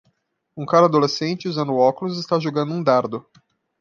Um cara adolescente usando óculos está jogando um dardo.